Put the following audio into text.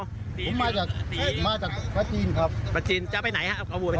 ผมมาจากมาจากประจีนครับประจีนจะไปไหนฮะเอาวัวไปไหน